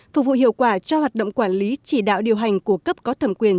phục vụ hiệu quả cho hoạt động quản lý chỉ đạo điều hành của cấp có thẩm quyền